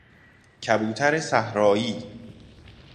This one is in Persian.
کبوتر صحرائی